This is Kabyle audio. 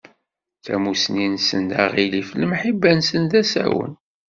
Tamusni-nsen d aɣilif, lemḥiba-nsen d asawen.